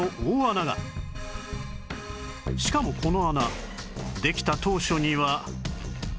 しかもこの穴できた当初には